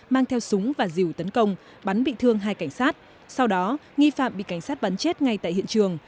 mang theo súng và dìu tấn công bắn bị thương hai cảnh sát sau đó nghi phạm bị cảnh sát bắn chết ngay tại hiện trường